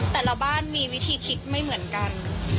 แต่ละบ้านมีวิธีคิดไม่เหมือนกัน